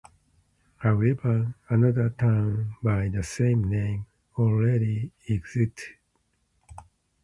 However, another town by the same name already existed.